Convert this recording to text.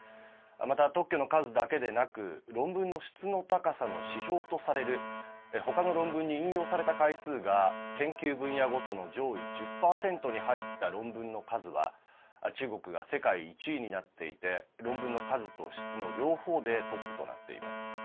また、特許の数だけでなく論文の質の高さの指標とされる他の論文に引用された回数が研究分野ごとの上位１０％に入った論文の数は中国が世界１位になっていて論文の数と質の両方でトップとなっています。